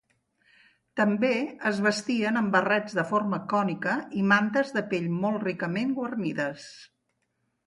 També es vestien amb barrets de forma cònica i mantes de pell molt ricament guarnides.